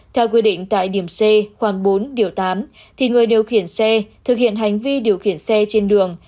theo quy định tại điểm c khoảng bốn điều tám thì người điều khiển xe thực hiện hành vi điều khiển xe trên đường